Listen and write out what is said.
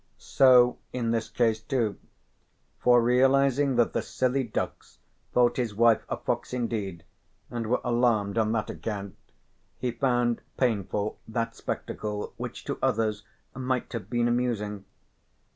So in this case, too, for realising that the silly ducks thought his wife a fox indeed and were alarmed on that account he found painful that spectacle which to others might have been amusing.